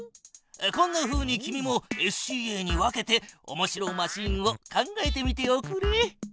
こんなふうに君もＳＣＡに分けておもしろマシーンを考えてみておくれ。